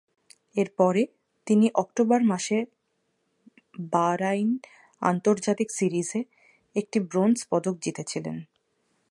এরপরে, তিনি অক্টোবর মাসে বাহরাইন আন্তর্জাতিক সিরিজে একটি ব্রোঞ্জ পদক জিতেছিলেন।